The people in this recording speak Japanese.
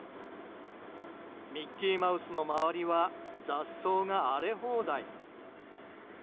ミッキーマウスの周りは雑草が荒れ放題。